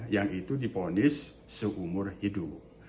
yang itu diponis seumur hidup